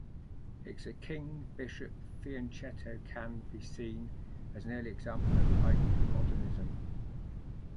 Its king bishop fianchetto can be seen as an early example of hypermodernism.